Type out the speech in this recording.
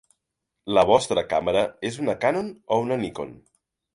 La vostra càmera és una Canon o una Nikon?